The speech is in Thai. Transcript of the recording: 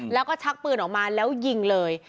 แล้วก็ชักปืนออกมาแล้วยิงเลย